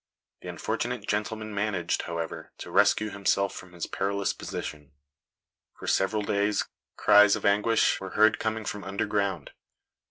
The unfortunate gentleman managed, however, to rescue himself from his perilous position. For several days cries of anguish were heard coming from underground."